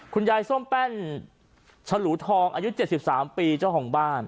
คุณยายส้มแป้นฉลูทองอายุเจ็ดสิบสามปีเจ้าของบ้าน